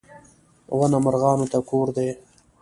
• ونه مرغانو ته کور دی.